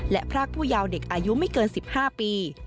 และพรากผู้ยาวเด็กอายุไม่เกิน๑๕ปี